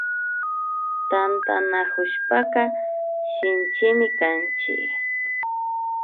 Tantanakushpaka Shinchimi kanchik